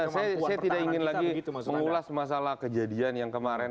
saya tidak ingin lagi mengulas masalah kejadian yang kemarin